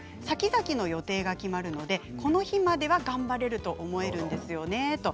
さきざきの予定が決まるのでこの日までは頑張れると思うんですよね。